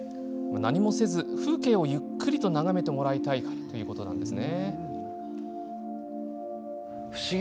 何もせず、風景をゆっくりと眺めてもらいたいからだそうです。